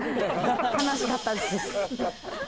悲しかったです。